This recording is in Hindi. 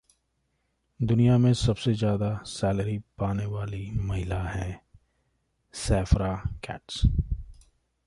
दुनिया में सबसे ज्यादा सैलरी पाने वाली महिला हैं सैफरा कैट्स